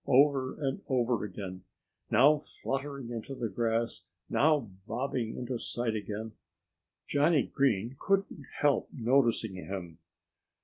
over and over again, now fluttering into the grass, now bobbing into sight again. Johnnie Green couldn't help noticing him.